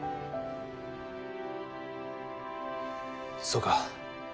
そうか。